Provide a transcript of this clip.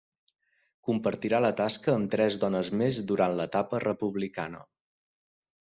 Compartirà la tasca amb tres dones més durant l’etapa republicana.